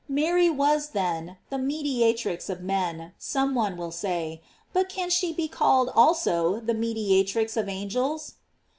* Mary was, then, the mediatrix of men, some one will say, but can she be called also the me diatrix of angels?